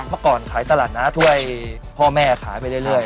เมื่อก่อนขายตลาดน้าถ้วยพ่อแม่ขายไปเรื่อย